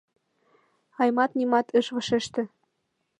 Аймат нимат ыш вашеште.